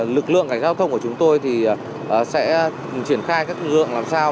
lực lượng cảnh giao thông của chúng tôi sẽ triển khai các lượng làm sao